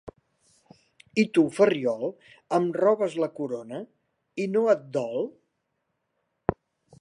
I tu, Ferriol, em robes la corona, i no et dol?